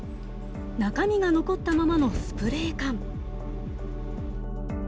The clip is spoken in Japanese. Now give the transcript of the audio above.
中身が残ったままのスプレー缶。